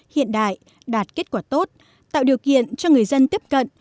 hiện đại đạt kết quả tốt tạo điều kiện cho người dân tiếp cận